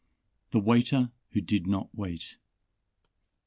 _ The Waiter Who Did Not Wait.